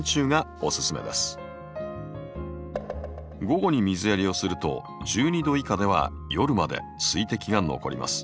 午後に水やりをすると１２℃以下では夜まで水滴が残ります。